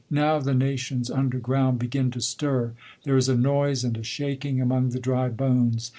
Now the nations' un der ground begm to stir. There is a noise and a sha king among the dry bones.